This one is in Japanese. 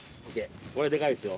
これでかいっすよ。